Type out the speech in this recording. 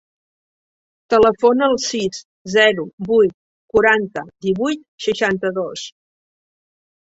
Telefona al sis, zero, vuit, quaranta, divuit, seixanta-dos.